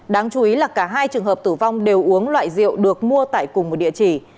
đáng chú ý là cả hai trường hợp tử vong đều uống loại rượu được mua tại cùng một địa chỉ